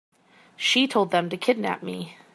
She told them to kidnap me.